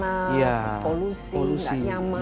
jadi itu juga mempengaruhi